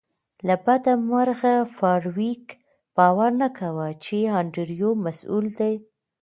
له بده مرغه فارویک باور نه کاوه چې انډریو مسؤل دی